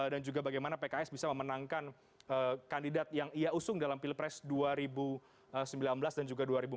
dan juga bagaimana pks bisa memenangkan kandidat yang ia usung dalam pilpres dua ribu sembilan belas dan juga dua ribu empat belas